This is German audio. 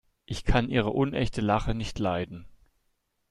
Ich kann ihre unechte Lache nicht leiden.